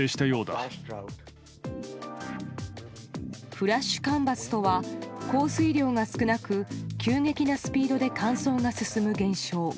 フラッシュ干ばつとは降水量が少なく急激なスピードで乾燥が進む現象。